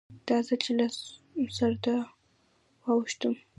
دا ځل چې له سرحده واوښتم.